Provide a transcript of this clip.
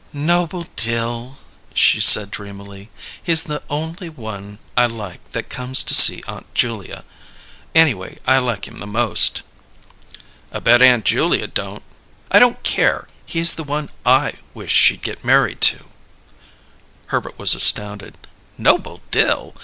"Noble Dill," she said dreamily. "He's the only one I like that comes to see Aunt Julia. Anyway, I like him the most." "I bet Aunt Julia don't!" "I don't care: he's the one I wish she'd get married to." Herbert was astounded. "Noble Dill?